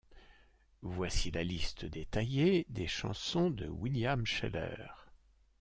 Voici la liste détaillée des chansons de William Sheller.